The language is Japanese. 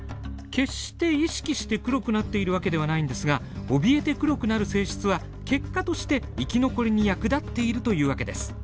決して意識して黒くなっているわけではないんですがおびえて黒くなる性質は結果として生き残りに役立っているというわけです。